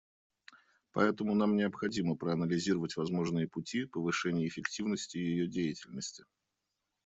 Поэтому нам необходимо проанализировать возможные пути повышения эффективности ее деятельности.